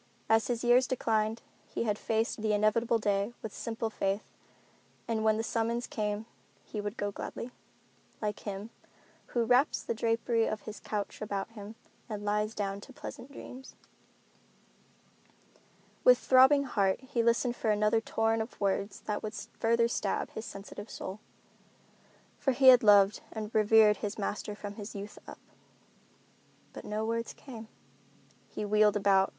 As his years declined he had faced the inevitable day with simple faith that when the summons came he would go gladly, like him "who wraps the drapery of his couch about him and lies down to pleasant dreams." With throbbing heart he listened for another torrent of words that would still further stab his sensitive soul; for he had loved and revered his master from his youth up. But no words came. He wheeled about.